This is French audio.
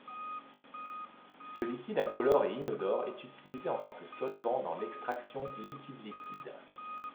Ce liquide incolore et inodore est utilisé en tant que solvant dans l'extraction liquide-liquide.